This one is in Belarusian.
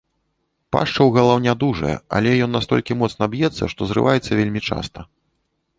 Пашча ў галаўня дужая, але ён настолькі моцна б'ецца, што зрываецца вельмі часта.